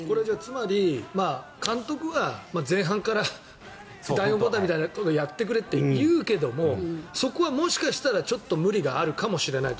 つまり監督は前半から第４クオーターみたいなことをやってくれって言うけどもそこはもしかしたらちょっと無理があるかもしれないと。